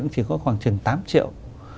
chỉ có khoảng trường tám triệu